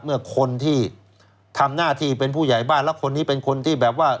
เมื่อคนที่ทำหน้าที่เป็นผู้ใหญ่บ้านแล้วคนนี้เป็นคนที่แบบว่า